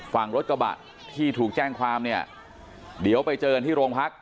ฝั่งรถกระบะที่ถูกแจ้งความเนี่ยเดี๋ยวไปเจอกันที่โรงพัก